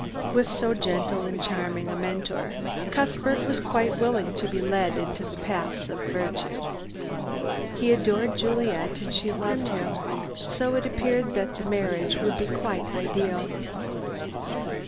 With so gentle and charming a mentor, Cuthbert was quite willing to be led into the paths of virtue. He adored Juliet and she loved him, so it appeared that the marriage would be quite ideal.